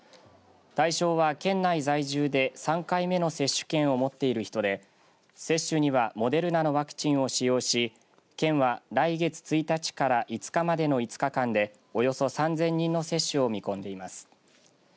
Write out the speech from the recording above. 対象は、県内在住で３回目の接種券を持っている人で接種にはモデルナのワクチンを使用し県は、来月１日から５日までの５日間でおよそ３０００人の接種を見込んでいます。